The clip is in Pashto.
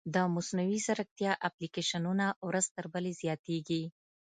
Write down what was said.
د مصنوعي ځیرکتیا اپلیکیشنونه ورځ تر بلې زیاتېږي.